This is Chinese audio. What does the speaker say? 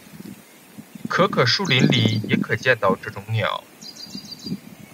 可可树林里也可见到这种鸟。